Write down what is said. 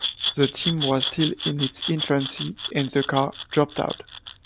The team was still in its infancy, and the car dropped out.